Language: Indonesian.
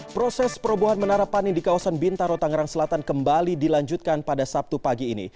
proses perobohan menara panin di kawasan bintaro tangerang selatan kembali dilanjutkan pada sabtu pagi ini